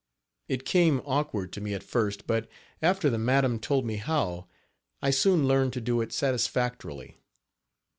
It came awkward to me at first, but, after the madam told me how, I soon learned to do it satisfactorily.